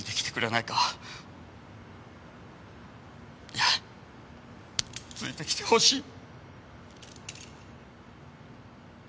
いやついてきてほしい。